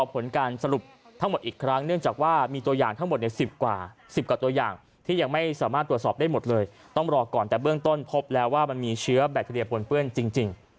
แปลว่ามันมีเชื้อแบคทีเรียโปนเปื้อนจริง